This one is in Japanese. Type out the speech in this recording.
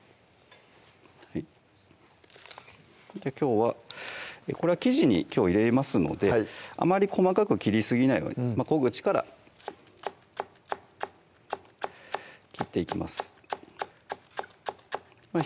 きょうはこれは生地にきょう入れますのであまり細かく切りすぎないように小口から切っていきます先生